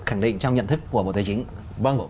khẳng định trong nhận thức của bộ tế chính